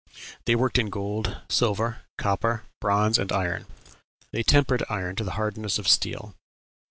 They worked in gold, silver, copper, bronze, and iron; they tempered iron to the hardness of steel.